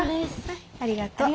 ありがとう。